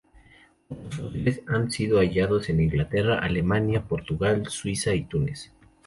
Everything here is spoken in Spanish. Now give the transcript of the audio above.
Otros fósiles han sido hallados en Inglaterra, Alemania, Portugal, Suiza y Túnez.